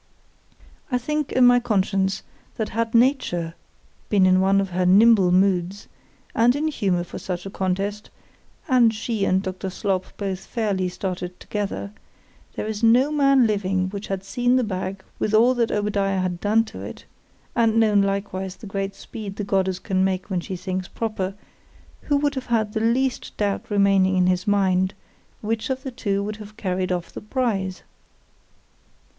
—I think in my conscience, that had NATURE been in one of her nimble moods, and in humour for such a contest——and she and Dr. Slop both fairly started together——there is no man living which had seen the bag with all that Obadiah had done to it,——and known likewise the great speed the Goddess can make when she thinks proper, who would have had the least doubt remaining in his mind—which of the two would have carried off the prize.